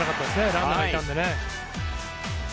ランナーがいたのでね。